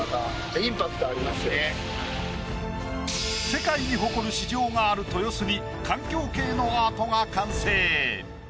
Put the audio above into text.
世界に誇る市場がある豊洲に環境系のアートが完成。